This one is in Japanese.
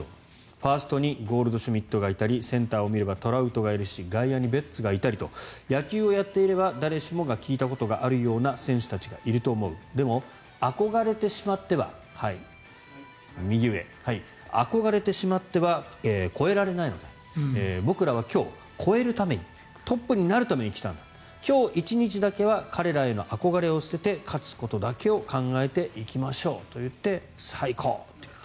ファーストにゴールドシュミットがいたりセンターを見ればトラウトがいるし外野にベッツがいたりと野球をやっていれば誰しもが聞いたことがあるような選手たちがいると思うでも憧れてしまっては超えられないので僕らは今日、超えるためにトップになるために来たんだ今日１日だけは彼らへの憧れを捨てて勝つことだけを考えていきましょうと言ってさあ行こうと言った。